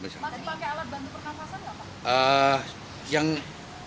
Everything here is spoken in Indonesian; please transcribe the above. masih pakai alat bantu perkanfasan nggak pak